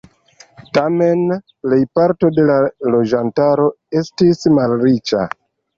Tamen, plejparto de la loĝantaro estis malriĉa.